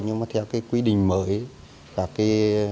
nhưng mà theo cái quy định mới